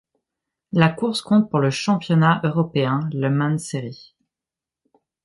La course compte pour le championnat European Le Mans Series.